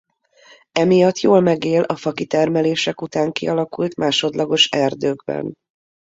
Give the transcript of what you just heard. Emiatt jól megél a fakitermelések után kialakult másodlagos erdőkben.